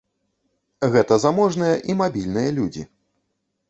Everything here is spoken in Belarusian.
Гэта заможныя і мабільныя людзі.